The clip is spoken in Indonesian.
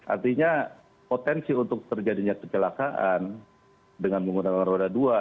artinya potensi untuk terjadinya kecelakaan dengan menggunakan roda dua